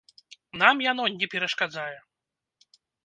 Нам яно не перашкаджае.